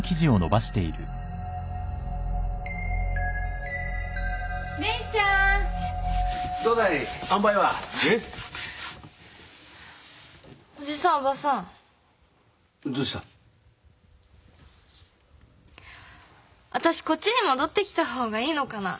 わたしこっちに戻ってきた方がいいのかな。